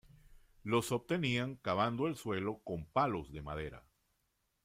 Los obtenían cavando el suelo con palos de madera.